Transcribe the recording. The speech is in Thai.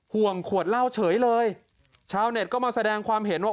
ห่วงขวดเหล้าเฉยเลยชาวเน็ตก็มาแสดงความเห็นว่า